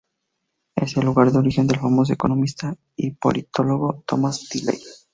Es el lugar de origen del famoso economista y politólogo Thomas Tilley.